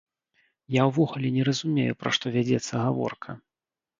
Я ўвогуле не разумею, пра што вядзецца гаворка!